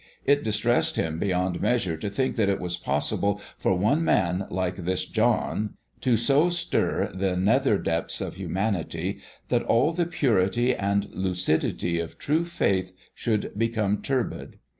It distressed him beyond measure to think that it was possible for one man like this John to so stir the nether depths of humanity that all the purity and lucidity of true faith should become turbid.